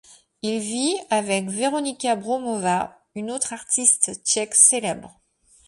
Il vit avec Veronika Bromová, une autre artiste tchèque célèbre.